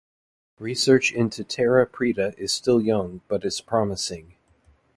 Research into terra preta is still young but is promising.